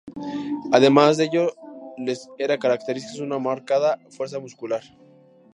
Además de ello les era característicos una marcada fuerza muscular.